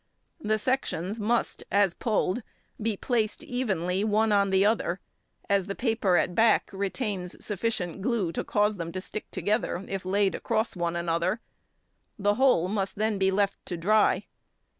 The sections must, as pulled, be placed evenly one on |7| the other, as the paper at back retains sufficient glue to cause them to stick together if laid across one another; the whole must then be left to dry.